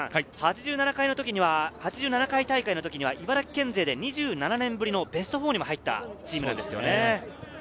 ８７回大会の時には茨城県勢で２７年ぶりのベスト４に入ったチームなんですよね。